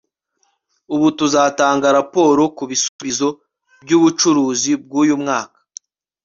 ubu tuzatanga raporo kubisubizo byubucuruzi bwuyu mwaka